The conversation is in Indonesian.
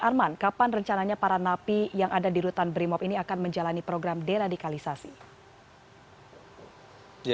arman kapan rencananya para napi yang ada di rutan brimop ini akan menjalani program deradikalisasi